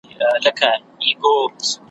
او پیسې یې ترلاسه کولې ,